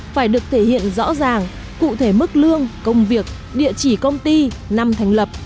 phải được thể hiện rõ ràng cụ thể mức lương công việc địa chỉ công ty năm thành lập